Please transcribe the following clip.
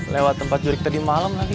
lewat tempat jurik tadi malem lagi